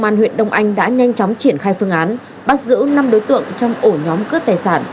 nhanh chóng triển khai phương án bắt giữ năm đối tượng trong ổ nhóm cướp tài sản